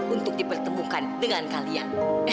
untuk dipertemukan dengan kalian